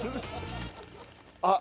あっ！